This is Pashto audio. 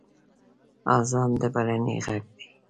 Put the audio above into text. اذان د بلنې غږ دی